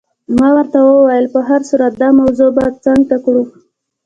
ما ورته وویل: په هر صورت دا موضوع به څنګ ته کړو.